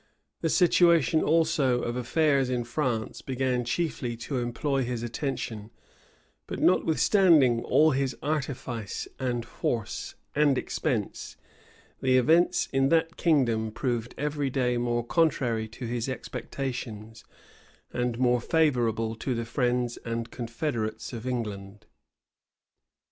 The situation also of affairs in France began chiefly to employ his attention; but notwithstanding all his artifice, and force, and expense, the events in that kingdom proved every day more contrary to his expectations, and more favorable to the friends and confederates of England.